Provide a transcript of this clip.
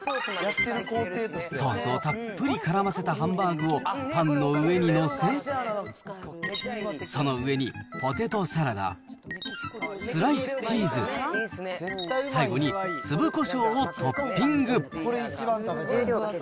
ソースをたっぷりからませたハンバーグを、パンの上に載せ、その上に、ポテトサラダ、スライスチーズ、がっつりよ。